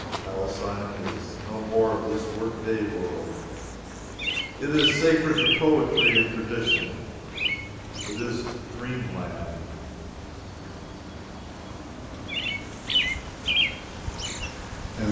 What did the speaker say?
Palestine is no more of this work day world. It is sacred to poetry and tradition it is dream land.